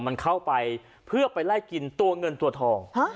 มันเข้าไปเพื่อไปไล่กินตัวเงินตัวทอง